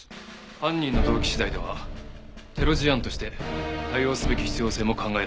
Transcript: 犯人の動機次第ではテロ事案として対応すべき必要性も考えられます。